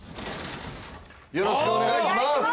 よろしくお願いします